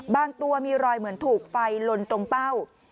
ตัวมีรอยเหมือนถูกไฟลนตรงเป้า